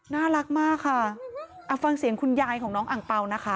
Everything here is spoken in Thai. น่ารักมากค่ะเอาฟังเสียงคุณยายของน้องอังเปล่านะคะ